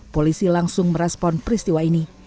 polisi langsung merespon peristiwa ini